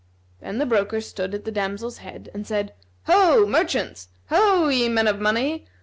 Then the broker stood at the damsel's head and said, "Ho, merchants! Ho, ye men of money!